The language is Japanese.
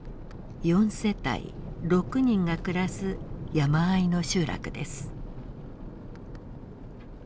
４世帯６人が暮らす山あいの集落です。